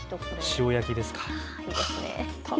塩焼きですかね。